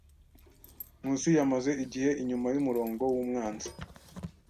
Nkusi yamaze igihe inyuma yumurongo wumwanzi.